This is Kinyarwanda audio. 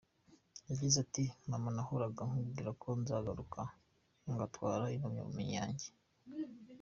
Yagize ati “Mama nahoraga nkubwira ko nzagaruka ngatwara impamyabumenyi yanjye”.